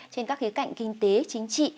trên các cái cạnh kinh tế chính trị